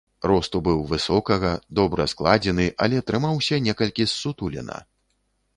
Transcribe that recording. Росту быў высокага, добра складзены, але трымаўся некалькі ссутулена.